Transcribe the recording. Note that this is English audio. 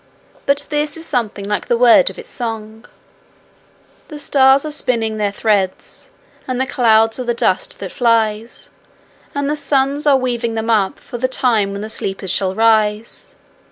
But this is something like the words of its song: The stars are spinning their threads, And the clouds are the dust that flies, And the suns are weaving them up For the time when the sleepers shall rise.